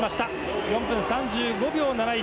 ４分３５秒７１。